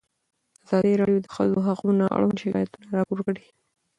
ازادي راډیو د د ښځو حقونه اړوند شکایتونه راپور کړي.